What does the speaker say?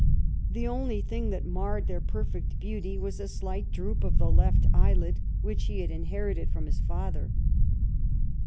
The only thing that marred their perfect beauty was a slight droop of the left eyelid, which he had inherited from his father.